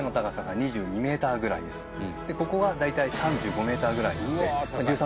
ここは大体３５メーターぐらいなので１３